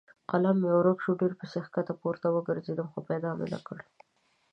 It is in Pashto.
قلم مې ورک شو؛ ډېر پسې کښته پورته وګرځېدم خو پیدا مې نه کړ.